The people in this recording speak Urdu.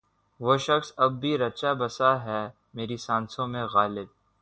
وہ شخص اب بھی رچا بسا ہے میری سانسوں میں غالب